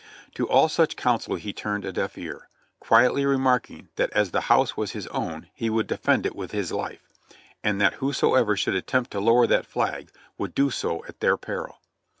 To all such counsel he turned a deaf ear, quietly remarking that as the house was his own he would defend it with his life, and that whoever should attempt to lower that flag would do so at their peril.